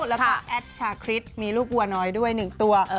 แล้วก็แอดชาคริสมีรูปอัวน้อยด้วยหนึ่งตัว